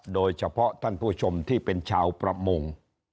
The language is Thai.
โดยเฉพาะท่านผู้ชมที่เป็นชาวประมง